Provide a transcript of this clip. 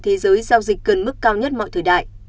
thế giới giao dịch gần mức cao nhất mọi thời đại